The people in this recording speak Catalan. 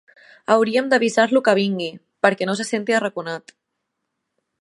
Hauríem d'avisar-lo que vingui, perquè no se senti arraconat.